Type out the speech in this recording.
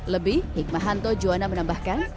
lebih hikmahanto juwana menambahkan